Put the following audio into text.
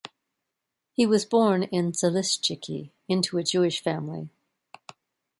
He was born in Zalishchyky into a Jewish family.